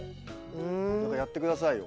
何かやってくださいよ。